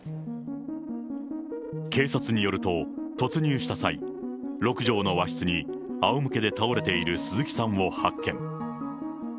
警察によると、突入した際、６畳の和室にあおむけで倒れている鈴木さんを発見。